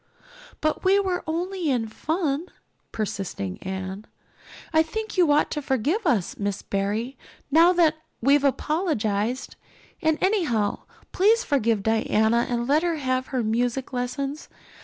"But we were only in fun," persisted Anne. "I think you ought to forgive us, Miss Barry, now that we've apologized. And anyhow, please forgive Diana and let her have her music lessons.